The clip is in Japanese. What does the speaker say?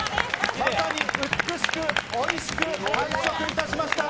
まさに美しく、おいしく完食いたしました。